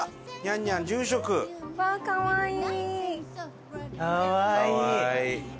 うわかわいい！